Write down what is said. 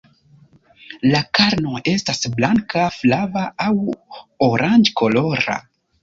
La karno estas blanka, flava aŭ oranĝkolora.